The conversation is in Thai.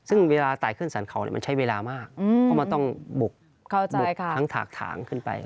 ซึ่งเวลาตายขึ้นสรรเขามันใช้เวลามากเพราะมันต้องบุกทั้งถากถางขึ้นไป